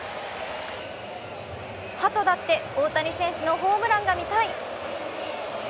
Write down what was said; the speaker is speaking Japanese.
ハトだって大谷選手のホームランが見たい。